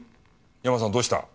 ヤマさんどうした？